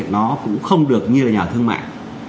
nó cũng không được như là nhà ở thương mại